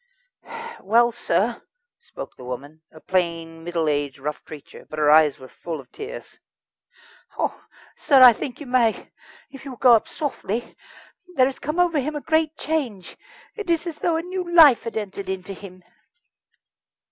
"Well, sir," spoke the woman, a plain, middle aged, rough creature, but her eyes were full of tears: "Oh, sir, I think you may, if you will go up softly. There has come over him a great change. It is as though a new life had entered into him."